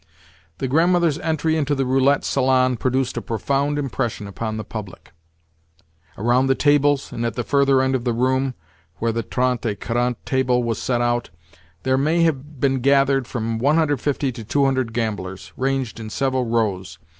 The Grandmother's entry into the roulette salon produced a profound impression upon the public. Around the tables, and at the further end of the room where the trente et quarante table was set out, there may have been gathered from 150 to 200 gamblers, ranged in several rows.